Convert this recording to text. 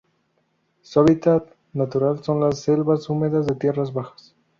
Su hábitat natural son las selvas húmedas de tierras bajas.